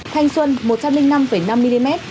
thanh xuân một trăm linh năm năm mm